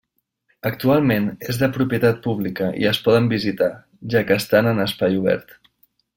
Actualment és de propietat pública i es poden visitar, ja que estan en espai obert.